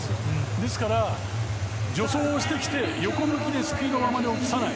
ですから助走をしてきて横向きでスピードは落とさない。